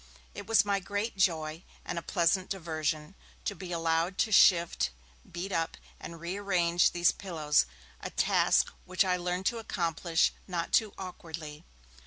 It was my great joy, and a pleasant diversion, to be allowed to shift, beat up, and rearrange these pillows, a task which I learned to accomplish not too awkwardly.